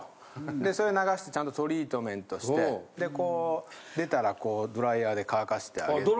でそれを流してちゃんとトリートメントしてでこう出たらドライヤーで乾かしてあげて。